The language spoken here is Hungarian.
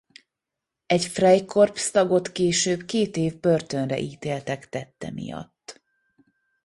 Egy freikorps-tagot később két év börtönre ítéltek tette miatt.